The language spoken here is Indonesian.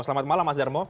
selamat malam mas darmo